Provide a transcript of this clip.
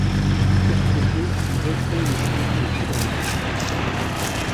Interpréter et recréer les chansons des troubadours.